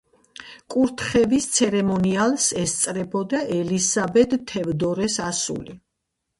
კურთხევის ცერემონიალს ესწრებოდა ელისაბედ თევდორეს ასული.